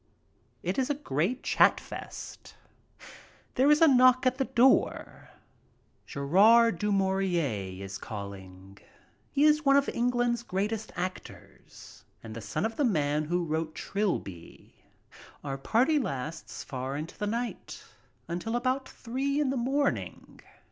It is a great chatfest. There is a knock at the door. Gerald du Maurier is I MEET THE IMMORTALS 89 calling. He is one of England's greatest actors and the son of the man who wrote "Trilby." Our party lasts far into the night, until about three in the morning.